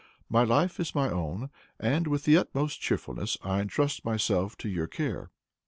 My life is my own, and with the utmost cheerfulness I entrust myself to your care.